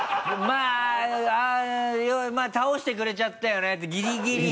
まぁ倒してくれちゃったよねってギリギリ。